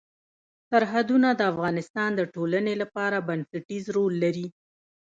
سرحدونه د افغانستان د ټولنې لپاره بنسټيز رول لري.